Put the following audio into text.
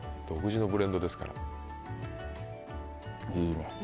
独自のブレンドですから。いいね。